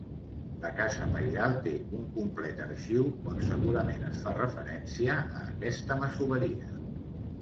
La casa pairal té un complet arxiu on segurament es fa referència a aquesta masoveria.